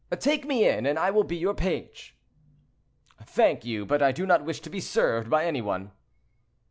"Take me in, and I will be your page." "Thank you; but I do not wish to be served by any one."